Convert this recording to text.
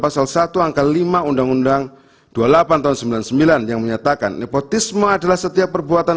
pasal satu angka lima undang undang dua puluh delapan tahun seribu sembilan ratus sembilan puluh sembilan yang menyatakan nepotisme adalah setiap perbuatan